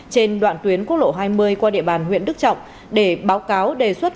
trên đoạn tuyến quốc lộ hai mươi qua địa bàn huyện đức trọng để báo cáo đề xuất